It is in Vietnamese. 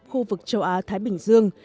khu vực châu á thái bình dương